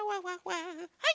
はい。